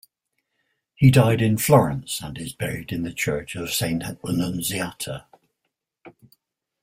He died in Florence, and is buried in the church of Saint Annunziata.